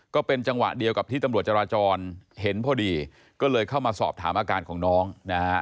ก็เป็นจังหวะเดียวกับที่ตำรวจจราจรเห็นพอดีก็เลยเข้ามาสอบถามอาการของน้องนะฮะ